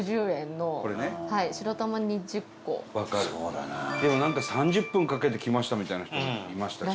伊達：でも、なんか３０分かけて来ましたみたいな人もいましたしね。